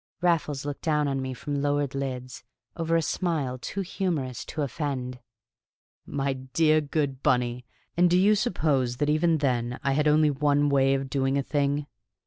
Raffles looked down on me from lowered lids, over a smile too humorous to offend. "My dear good Bunny! And do you suppose that even then I had only one way of doing a thing?